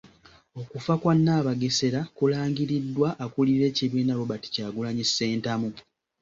Okufa kwa Nabagesera kulangiriddwa akulira ekibiina, Robert Kyagulanyi Ssentamu.